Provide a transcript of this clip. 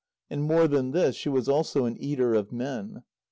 And more than this, she was also an eater of men.